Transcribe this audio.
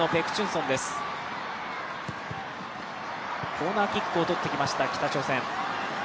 コーナーキックをとってきました、北朝鮮。